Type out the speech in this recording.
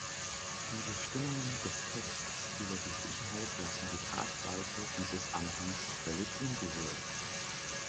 Die Bestimmungen des Texts über die Sicherheit lassen die Tragweite dieses Anhangs völlig unberührt.